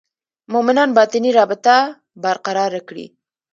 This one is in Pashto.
مومنان باطني رابطه برقراره کړي.